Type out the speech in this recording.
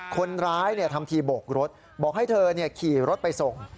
คนร้ายทำทีโบกรถบอกให้เธอขี่รถไปส่ง